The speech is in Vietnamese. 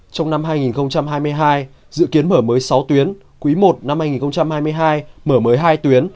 trong năm hai nghìn hai mươi hai dự kiến mở mới sáu tuyến quý i năm hai nghìn hai mươi hai mở mới hai tuyến